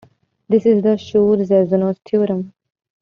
This is the Schur-Zassenhaus theorem.